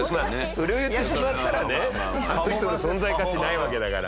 それを言ってしまったらねあの人の存在価値ないわけだから。